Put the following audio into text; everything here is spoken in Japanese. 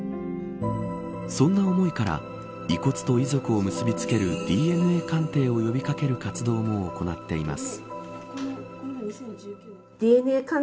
そんな思いから遺骨と遺族を結びつけるＤＮＡ鑑定を呼び掛ける活動も行っています。